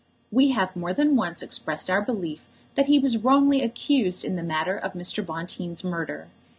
We have more than once expressed our belief that he was wrongly accused in the matter of Mr. Bonteen's murder.